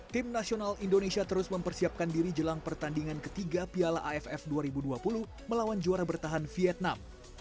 tim nasional indonesia terus mempersiapkan diri jelang pertandingan ketiga piala aff dua ribu dua puluh melawan juara bertahan vietnam